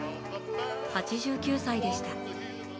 ８９歳でした。